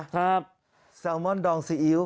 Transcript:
แซลมอนดองซีอิ๊ว